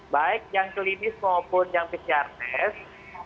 baik yang klinis maupun yang pcr test